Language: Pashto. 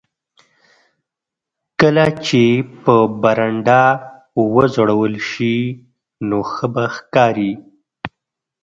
کله چې په برنډه وځړول شي نو ښه به ښکاري